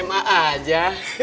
kayak anak sma aja